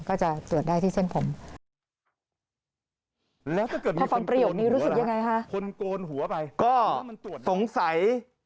ก็สงสัย